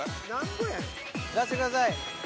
出してください。